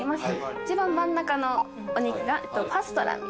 一番真ん中のお肉がパストラミ。